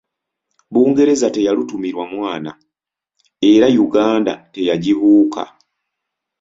Bungereza teyalutumirwa mwana era Yuganda teyagibuuka.